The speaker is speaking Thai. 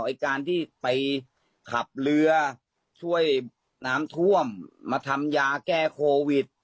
ไอ้การที่ไปขับเรือช่วยน้ำท่วมมาทำยาแก้โควิด